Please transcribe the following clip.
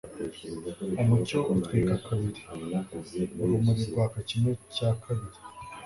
Umucyo utwika kabiri, urumuri rwaka kimwe cya kabiri.